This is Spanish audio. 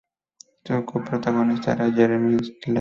Su co-protagonista era Jeremy Slate.